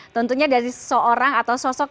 tentunya dari seseorang atau sosok